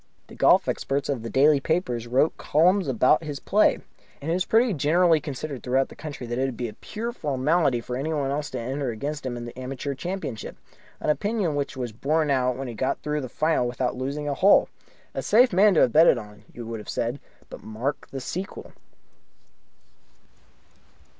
The golf experts of the daily papers wrote columns about his play. And it was pretty generally considered throughout the country that it would be a pure formality for anyone else to enter against him in the Amateur Championship an opinion which was borne out when he got through into the final without losing a hole. A safe man to have betted on, you would have said. But mark the sequel.